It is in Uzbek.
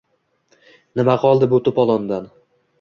Nima qoldi bu to‘polondan